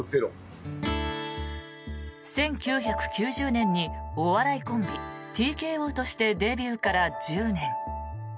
１９９０年にお笑いコンビ、ＴＫＯとしてデビューから１０年。